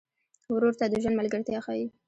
ورور ته د ژوند ملګرتیا ښيي.